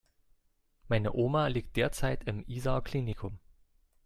Meine Oma liegt derzeit im Isar Klinikum.